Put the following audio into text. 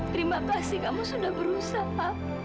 terima kasih kamu sudah berusaha